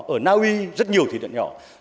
ở naui rất nhiều thủy điện nhỏ